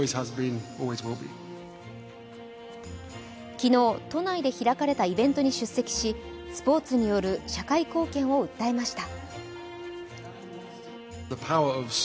昨日、都内で開かれたイベントに出席し、スポーツによる社会貢献を訴えました。